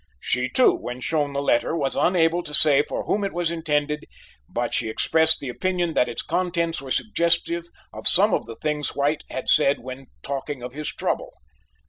She, too, when shown the letter, was unable to say for whom it was intended, but she expressed the opinion that its contents were suggestive of some of the things White had said when talking of his trouble.